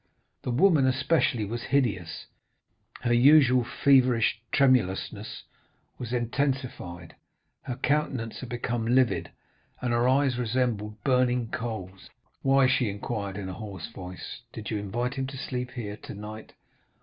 The woman, especially, was hideous; her usual feverish tremulousness was intensified, her countenance had become livid, and her eyes resembled burning coals. "'Why,' she inquired in a hoarse voice, 'did you invite him to sleep here tonight?